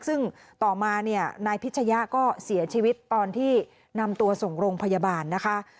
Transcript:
ซึ่งต่อมาเนี่ยนายพิชยะก็เสียชีวิตตอนที่นำตัวส่งโรงพยาบาลนะคะ